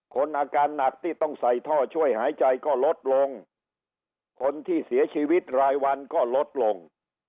คนอาการหนักที่ต้องใส่ท่อช่วยหายใจก็ลดลงคนที่เสียชีวิตรายวันก็ลดลง